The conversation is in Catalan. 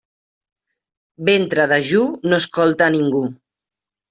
Ventre dejú no escolta a ningú.